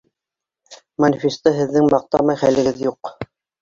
— Манифесты һеҙҙең маҡтамай хәлегеҙ юҡ.